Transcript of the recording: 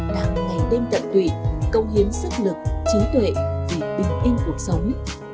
đang ngày đêm tận tụy công hiến sức lực trí tuệ vì bình yên cuộc sống